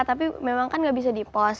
tapi memang kan nggak bisa dipost